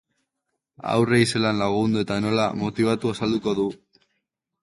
Haurrei zelan lagundu eta nola motibatu azalduko du.